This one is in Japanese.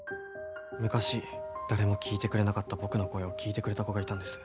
昔誰も聞いてくれなかった僕の声を聞いてくれた子がいたんです。